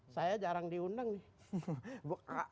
saya jarang diundang nih